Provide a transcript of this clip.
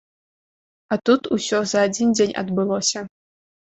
А тут усё за адзін дзень адбылося.